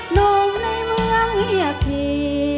หนุ่มในเมืองเยียบที